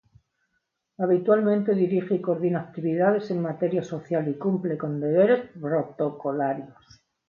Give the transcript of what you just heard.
Habitualmente dirige o coordina actividades en materia social y cumple con deberes protocolarios.